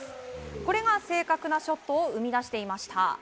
これが正確なショットを生み出していました。